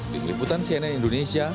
di meliputan cnn indonesia